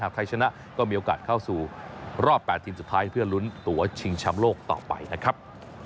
ใครชนะก็มีโอกาสเข้าสู่รอบ๘ทีมสุดท้ายเพื่อลุ้นตัวชิงแชมป์โลกต่อไปนะครับ